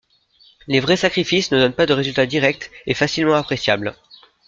Les vrais sacrifices ne donnent pas de résultats directs et facilement appréciables.